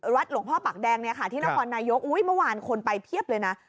หลวงพ่อปากแดงเนี่ยค่ะที่นครนายกเมื่อวานคนไปเพียบเลยนะ